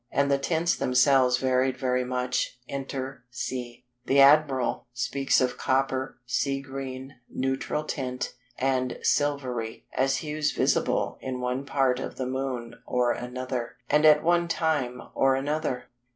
And the tints themselves varied very much inter se: The Admiral speaks of "copper," "sea green," "neutral tint," and "silvery," as hues visible in one part of the Moon or another, and at one time or another.